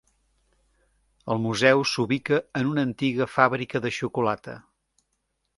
El museu s'ubica en una antiga fàbrica de xocolata.